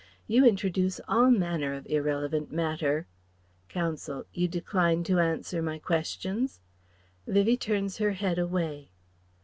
You introduce all manner of irrelevant matter " Counsel: "You decline to answer my questions?" (Vivie turns her head away.)